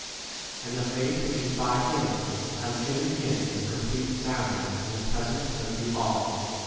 Yea, the faith which is by him hath given him this perfect soundness in the presence of you all.